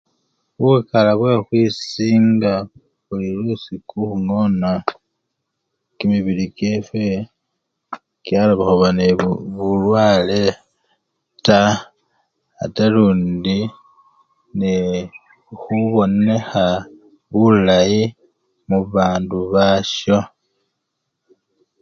Bukala bwekhukhwisinga buli lusiku, khungona kimibili kyefwe kyaloba khuba nende bulwale taa ate lundi nende khubonekha bulayi mubandu basyo.